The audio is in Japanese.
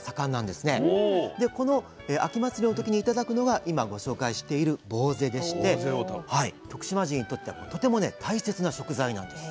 でこの秋祭りの時に頂くのが今ご紹介しているぼうぜでして徳島人にとってはとてもね大切な食材なんです。